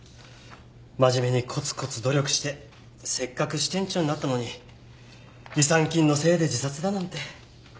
真面目にコツコツ努力してせっかく支店長になったのに違算金のせいで自殺だなんて。